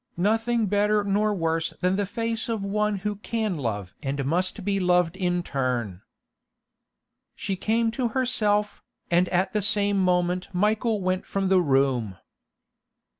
Nothing better nor worse than the face of one who can love and must be loved in turn. She came to herself, and at the same moment Michael went from the room.